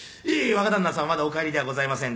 若旦那様はまだお帰りではございませんで」